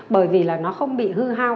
bởi vì là nó không bị hư hao